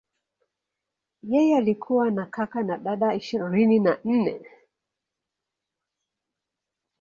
Yeye alikuwa na kaka na dada ishirini na nne.